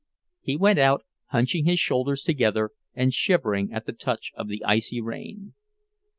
He went out, hunching his shoulders together and shivering at the touch of the icy rain.